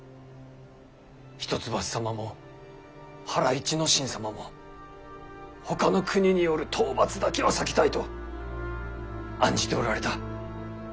一橋様も原市之進様もほかの国による討伐だけは避けたいと案じておられた。